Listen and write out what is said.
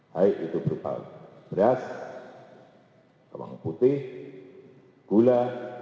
baik itu berupa beras bawang putih gula